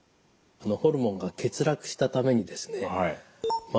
ホルモンが欠落したためにですね